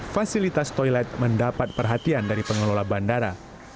fasilitas toilet mendapat perhatian dari pengelola bandara